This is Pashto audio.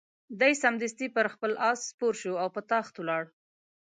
دی سمدستي پر خپل آس سپور شو او په تاخت ولاړ.